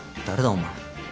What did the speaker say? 誰だお前。